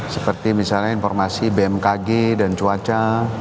seperti misalnya informasi bmkg dan cuaca